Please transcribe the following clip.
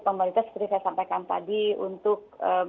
pemerintah seperti saya sampaikan tadi untuk